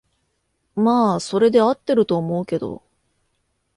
まあそれで合ってると思うけど